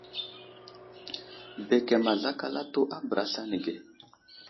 Bəkəm azlakal atu a bəra aslane ge.